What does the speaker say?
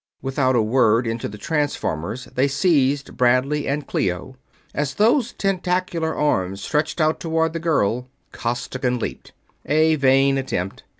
Without a word into the transformers they seized Bradley and Clio. As those tentacular arms stretched out toward the girl, Costigan leaped. A vain attempt.